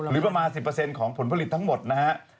หรือประมาณ๑๐ของผลผลิตทั้งหมดนะฮะ